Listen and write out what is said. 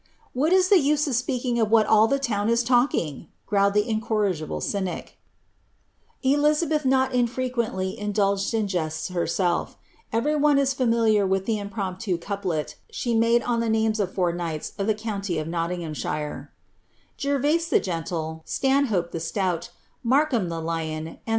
"What is ihe use of speaking of what all ihe lown is talking^ growled ihe incorrigible cynic' F.lizabeih not unfrequently indulged in jeats heraeir. Ereiy one !■ fnmiliar with the imprompfii conplot she made on the DUnee <tf fMT nights of the county of Nottinghamshire: ■■GerTBis ihe gecl1«, Blanliope the ilout, Harkhain >h ti«. ■■"